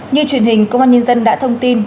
như truyền hình công an nhân dân đã thông tin